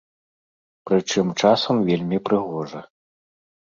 Прычым, часам вельмі прыгожа.